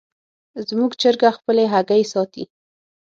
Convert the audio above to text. زموږ چرګه خپلې هګۍ ساتي.